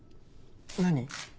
何？